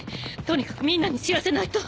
とにかくみんなに知らせないと！